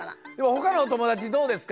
ほかのお友達どうですか？